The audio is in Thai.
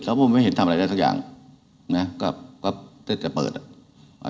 แล้วผมไม่เห็นทำอะไรได้ทั้งสักอย่างนะก็ก็เต็มแต่เปิดอ่ะ